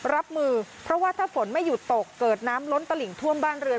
รับมือเพราะว่าถ้าฝนไม่หยุดตกเกิดน้ำล้นตลิ่งท่วมบ้านเรือน